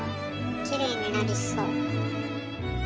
きれいになりそう。